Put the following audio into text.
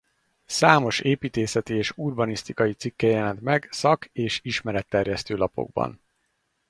Számos építészeti és urbanisztikai cikke jelent meg szak- és ismeretterjesztő lapokban.